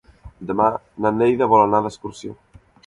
Demà na Neida vol anar d'excursió.